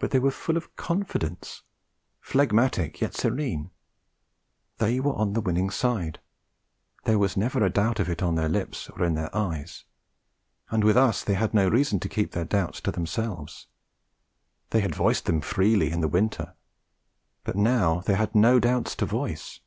But they were full of confidence phlegmatic yet serene. They were on the winning side; there was never a doubt of it on their lips or in their eyes; and with us they had no reason to keep their doubts to themselves. They had voiced them freely in the winter. But now they had no doubts to voice.